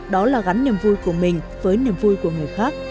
đó là gắn niềm vui của mình với niềm vui của người khác